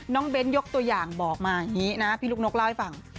เบ้นยกตัวอย่างบอกมาอย่างนี้นะพี่ลูกนกเล่าให้ฟัง